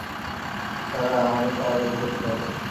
Sarah, আমাদের তাড়াতাড়ি করতে হবে।